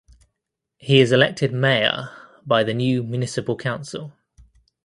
He is elected mayor by the new municipal council.